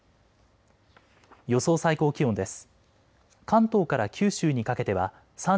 予想最高気温です。